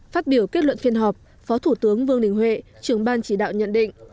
phát biểu kết luận phiên họp phó thủ tướng vương đình huệ trưởng ban chỉ đạo nhận định